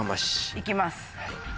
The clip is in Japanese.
行きます。